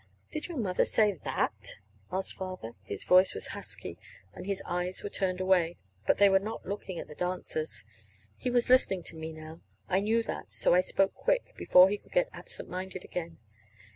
"Did your mother say that?" asked Father. His voice was husky, and his eyes were turned away, but they were not looking at the dancers. He was listening to me now. I knew that, and so I spoke quick, before he could get absent minded again.